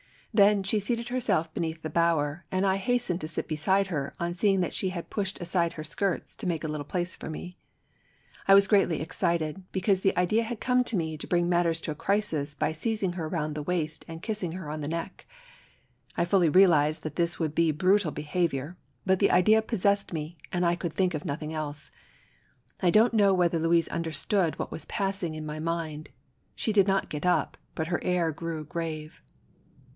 Then, she seated herself beneath the bower, and I hastened to sit beside her on seeing that she had pushed aside her skirts to make a little place for me. I was greatly excited, because the idea had come to me to bring matters to a crisis by seizing her around the waist and kissing her on the neck. I fully realized that this would be brutal behaviour, but the idea possessed me and I could think of nothing else. I don't know whether Louise understood what was passing in my mind ; she did not get up, but her air grew grave.